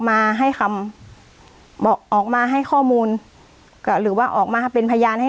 มาให้คำบอกออกมาให้ข้อมูลก็หรือว่าออกมาเป็นพยานให้